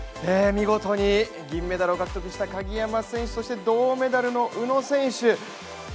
見事に銀メダルを獲得した鍵山選手そして、銅メダルの宇野選手。